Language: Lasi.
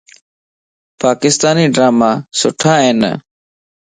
پاڪستاني ڊراما سُٺا ائين